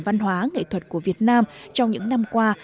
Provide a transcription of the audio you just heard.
văn hóa nghệ thuật của việt nam trong những năm qua